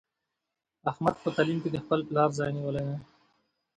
احمد په تعلیم کې د خپل پلار ځای نیولی دی.